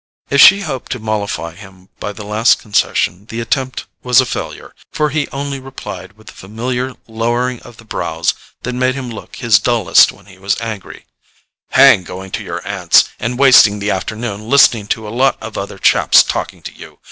If she hoped to mollify him by this last concession the attempt was a failure, for he only replied, with the familiar lowering of the brows that made him look his dullest when he was angry: "Hang going to your aunt's, and wasting the afternoon listening to a lot of other chaps talking to you!